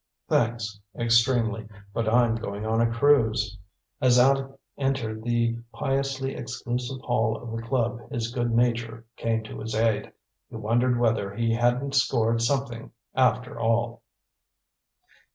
"Thanks extremely; but I'm going on a cruise." As Aleck entered the piously exclusive hall of the club his good nature came to his aid. He wondered whether he hadn't scored something, after all.